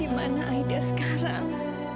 dimana aida sekarang